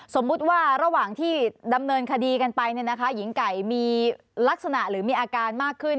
สมมุติว่าระหว่างที่ดำเนินคดีกันไปหญิงไก่มีลักษณะหรือมีอาการมากขึ้น